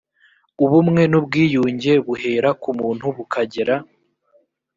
ubumwe n ubwiyunge buhera ku muntu bukagera